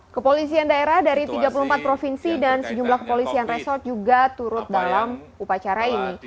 kepolisian daerah dari tiga puluh empat provinsi dan sejumlah kepolisian resort juga turut dalam upacara ini